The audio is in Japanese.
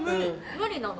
無理なの？